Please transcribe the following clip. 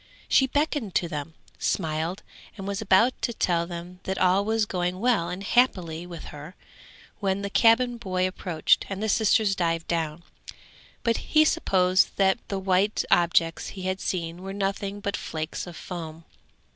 She beckoned to them, smiled, and was about to tell them that all was going well and happily with her, when the cabin boy approached, and the sisters dived down, but he supposed that the white objects he had seen were nothing but flakes of foam.